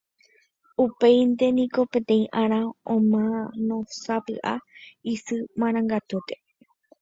Upéinte niko, peteĩ ára, omanósapy'a isy marangatuete.